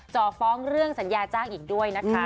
จ่อฟ้องเรื่องสัญญาจ้างอีกด้วยนะคะ